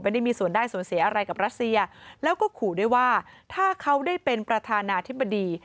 ได้มีส่วนได้ส่วนเสียอะไรกับรัสเซียแล้วก็ขู่ด้วยว่าถ้าเขาได้เป็นประธานาธิบดี